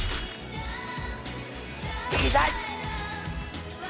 痛い！